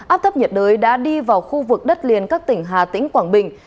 áp thấp nhiệt đới đã đi vào khu vực đất liền các tỉnh hà tĩnh quảng bình